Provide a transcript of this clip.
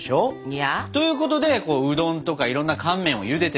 いや？ということでうどんとかいろんな乾麺をゆでてたってこと。